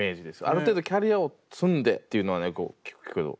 ある程度キャリアを積んでっていうのはね聞くけど。